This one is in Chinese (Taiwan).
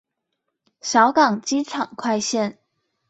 小港機場快線